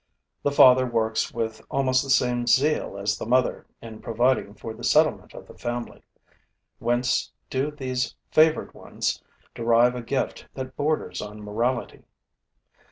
The father works with almost the same zeal as the mother in providing for the settlement of the family. Whence do these favored ones derive a gift that borders on morality?